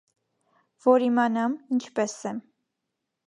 - Որ իմանամ՝ ինչպես է: